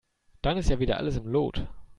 Dann ist ja wieder alles im Lot.